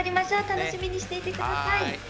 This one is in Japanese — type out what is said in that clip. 楽しみにしていてください。